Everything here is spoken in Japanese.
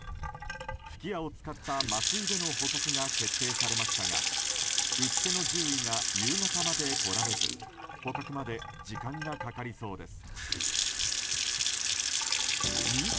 吹き矢を使った麻酔での捕獲が決定されましたが撃ち手の獣医が夕方まで来られず捕獲まで時間がかかりそうです。